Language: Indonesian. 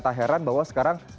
tak heran bahwa sekarang